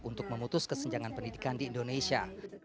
untuk memutus kesenjangan pendidikan di indonesia